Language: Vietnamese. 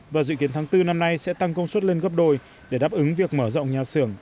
và dự kiến tháng bốn năm nay sẽ tăng công suất lên gấp đôi để đáp ứng việc mở rộng nhà xưởng